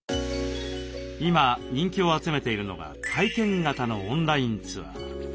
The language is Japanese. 今人気を集めているのが体験型のオンラインツアー。